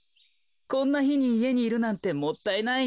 こんなひにいえにいるなんてもったいないね。